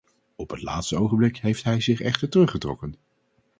Op het laatste ogenblik heeft hij zich echter teruggetrokken.